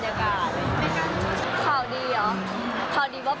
ยังไม่ต้องรอไปเรื่อยอย่างนี้แหละเหมือนเพื่อนกัน